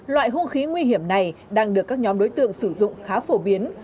loại hung khí nguy hiểm này đang được các nhóm đối tượng sử dụng khá phổ biến